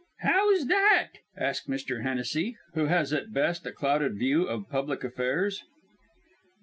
"How's that?" asked Mr. Hennessy, who has at best but a clouded view of public affairs.